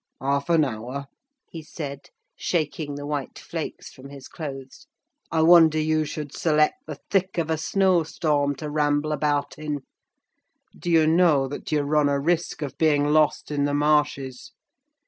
"Half an hour?" he said, shaking the white flakes from his clothes; "I wonder you should select the thick of a snow storm to ramble about in. Do you know that you run a risk of being lost in the marshes?